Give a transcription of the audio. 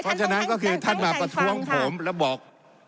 เพราะฉะนั้นก็คือท่านมาประท้วงผมแล้วบอก